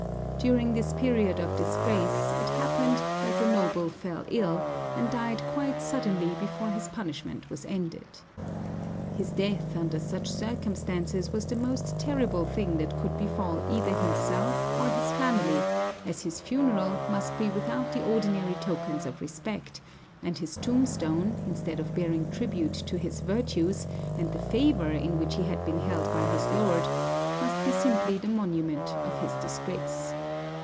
During this period of disgrace, it happened that the noble fell ill, and died quite suddenly before his punishment was ended. His death under such circumstances was the most terrible thing that could befall either himself or his family, as his funeral must be without the ordinary tokens of respect; and his tombstone, instead of bearing tribute to his virtues, and the favor in which he had been held by his lord, must be simply the monument of his disgrace.